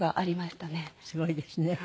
すごいですね。